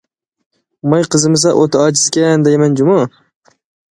ماي قىزىمىسا ئوتى ئاجىزكەن دەيمەن جۇمۇ!